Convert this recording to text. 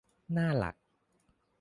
หน้าหลัก